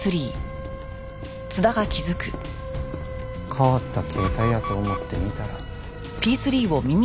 変わった携帯やと思って見たら。